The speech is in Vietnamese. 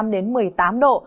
đến một mươi tám độ